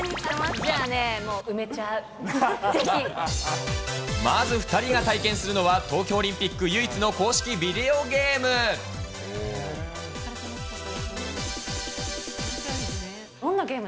じゃあね、もう、埋めちゃう、まず２人が体験するのは東京オリンピック唯一の公式ビデオゲーム。